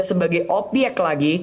sebagai objek lagi